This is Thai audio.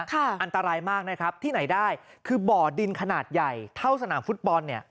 อันตรายมากนะครับที่ไหนได้คือบ่อดินขนาดใหญ่เท่าสนามฟุตบอลเนี่ย